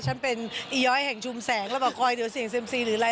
ฉันเป็นอีย้อยแห่งชุมแสงแล้วบอกคอยเดี๋ยวเสี่ยงเซ็มซีหรืออะไร